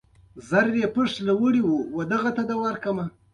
موږ دې منسوب کړيو صفتونو ته نه ځير کېږو